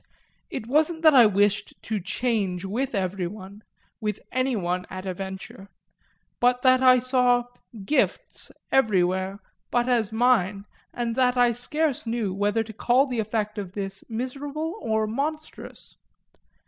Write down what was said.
It wasn't that I wished to change with everyone, with anyone at a venture, but that I saw "gifts" everywhere but as mine and that I scarce know whether to call the effect of this miserable or monstrous.